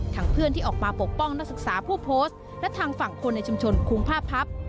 เพื่อนที่ออกมาปกป้องนักศึกษาผู้โพสต์และทางฝั่งคนในชุมชนคุมภาพพับ